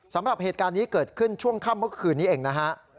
สำหรับเหตุการณ์นี้เกิดขึ้นช่วงค่ำเมื่อคืนนี้เองนะฮะ